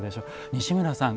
西村さん